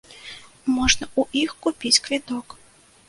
Можна ў іх купіць квіток.